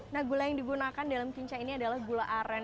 nah gula yang digunakan dalam kincah ini adalah gula aren